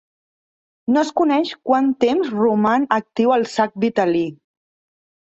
No es coneix quant temps roman actiu el sac vitel·lí.